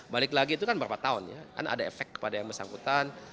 balik lagi itu kan berapa tahun ya kan ada efek kepada yang bersangkutan